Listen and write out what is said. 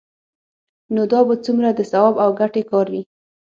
نو دا به څومره د ثواب او ګټې کار وي؟